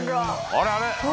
「あれあれ？」